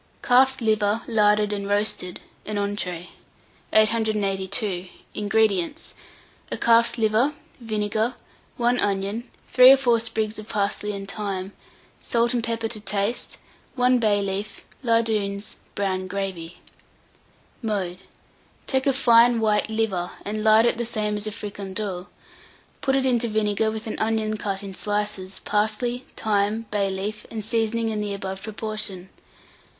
CALF'S LIVER LARDED AND ROASTED (an Entree). 882. INGREDIENTS. A calf's liver, vinegar, 1 onion, 3 or 4 sprigs of parsley and thyme, salt and pepper to taste, 1 bay leaf, lardoons, brown gravy. Mode. Take a fine white liver, and lard it the same as a fricandeau; put it into vinegar with an onion cut in slices, parsley, thyme, bay leaf, and seasoning in the above proportion.